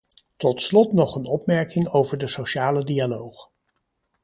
Tot slot nog een opmerking over de sociale dialoog.